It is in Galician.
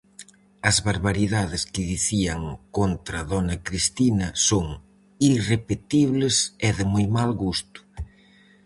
As barbaridades que dicían contra dona Cristina son irrepetibles e de moi mal gusto.